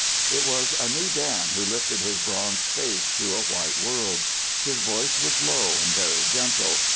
It was a new Dan who lifted his bronzed face to a white world. His voice was low and very gentle.